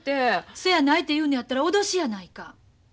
そやないと言うのやったら脅しやないか。